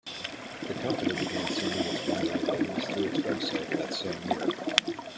The company began selling its winery wines through its website that same year.